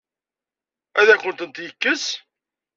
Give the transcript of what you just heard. Ad akent-tent-yekkes?